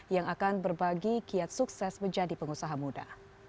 yang akan berbagi kiat sukses menjadi pengusaha muda